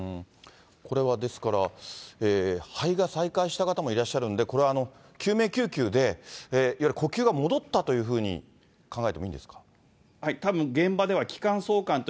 これはですから、肺が再開した方もいらっしゃるんで、これは救命救急でいわゆる呼吸が戻ったというふうに考えてもいいたぶん、現場では気管挿管と